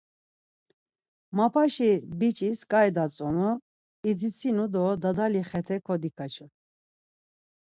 Mapaşi biç̌is ǩai datzonu, idzitsinu do dadali xete kodikaçu.